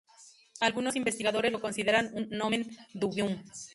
Algunos investigadores lo consideran un nomen dubium.